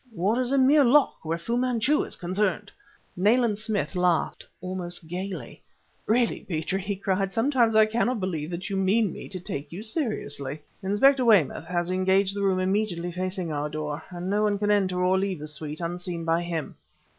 "What is a mere lock where Fu Manchu is concerned?" Nayland Smith laughed almost gaily. "Really, Petrie," he cried, "sometimes I cannot believe that you mean me to take you seriously. Inspector Weymouth has engaged the room immediately facing our door, and no one can enter or leave the suite unseen by him."